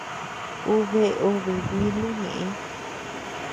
Ú bea obe bílu ñeʼe.